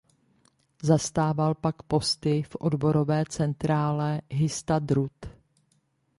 Zastával pak posty v odborové centrále Histadrut.